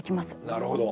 なるほど。